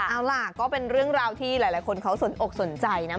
เอาล่ะก็เป็นเรื่องราวที่หลายคนเขาสนอกสนใจนะ